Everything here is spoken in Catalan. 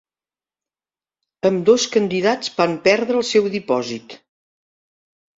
Ambdós candidats van perdre el seu dipòsit.